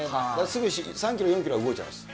すぐ３キロ、４キロは動いちゃいます。